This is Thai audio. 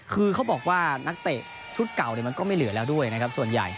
คือเขาบอกว่านักเตะชุดเก่าเนี่ยมันก็ไม่เหลือแล้วด้วยนะครับส่วนใหญ่